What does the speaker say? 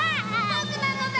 ぼくなのだ！